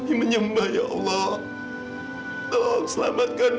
ini semua bukan salah dewi salah tante sendiri